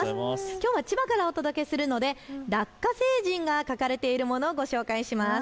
きょうは千葉からからお届けするのでラッカ星人が描かれているものをご紹介します。